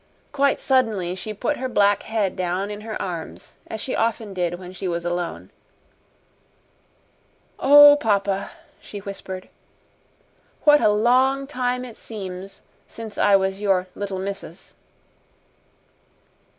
Quite suddenly she put her black head down in her arms, as she often did when she was alone. "Oh, papa," she whispered, "what a long time it seems since I was your 'Little Missus'!"